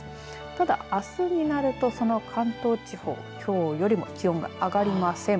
ただ、あすになるとその関東地方きょうよりも気温が上がりません。